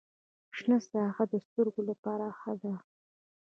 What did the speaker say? شنه ساحه د سترګو لپاره ښه ده.